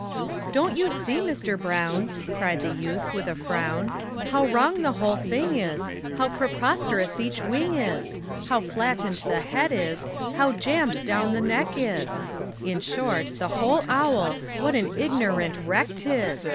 "Don't you see, Mister Brown," Cried the youth, with a frown, "How wrong the whole thing is, How preposterous each wing is, How flattened the head is, how jammed down the neck is In short, the whole owl, what an ignorant wreck 't is!